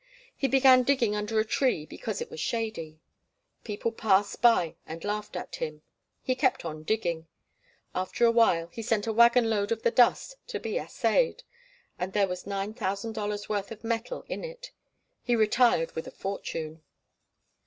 He began digging under a tree because it was shady. People passed by and laughed at him. He kept on digging. After a while he sent a waggon load of the dust to be assayed, and there was $9,000 worth of metal in it. He retired with a fortune.